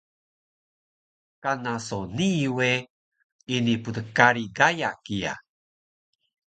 Kana so nii we ini pdkari gaya kiya